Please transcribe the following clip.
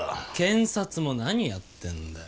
検察も何やってんだよ。